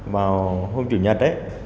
vào hôm chủ nhật